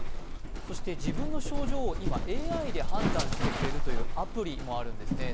自分の症状を今、ＡＩで判断してくれるアプリがあるんです。